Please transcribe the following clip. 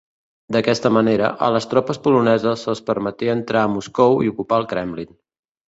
D'aquesta manera, a les tropes poloneses se'ls permeté entrar a Moscou i ocupar el kremlin.